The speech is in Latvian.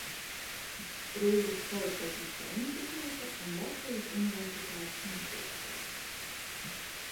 Rīgas Politehniskā institūta un Latvijas Universitātes mācībspēks.